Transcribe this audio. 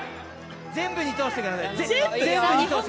全部に通してください。